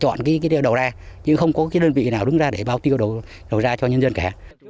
chọn cái đầu ra nhưng không có cái đơn vị nào đứng ra để bao tiêu đầu ra cho nhân dân cả